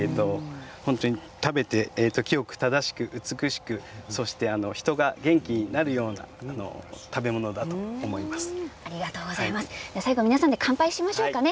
本当に食べて清く正しく美しくそして人が元気になるような最後、皆さんで乾杯しましょうかね。